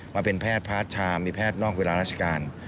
มาเป็นแพทย์พาร์ทชามีแพทย์นอกเวลาราชการ